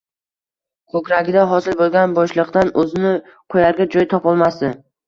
Ko‘kragida hosil bo‘lgan bo‘shliqdan o‘zini qo‘yarga joy topolmasdi.